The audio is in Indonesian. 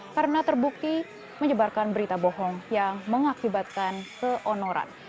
karena terbukti menyebarkan berita bohong yang mengakibatkan keonoran